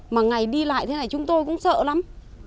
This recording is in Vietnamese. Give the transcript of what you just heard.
mà ngày đi lại thế này chúng tôi cũng sợ lắm